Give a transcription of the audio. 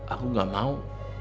aku gak mau